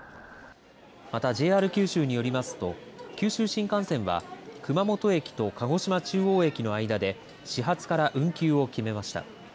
またＪＲ九州によりますと九州新幹線は熊本駅と鹿児島中央駅の間で始発から運休を決めました。